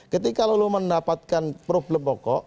ketika lo mendapatkan problem pokok